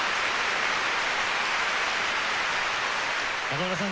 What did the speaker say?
中村さん